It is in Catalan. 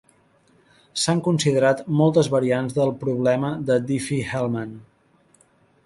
S'han considerat moltes variants del problema de Diffie-Hellman.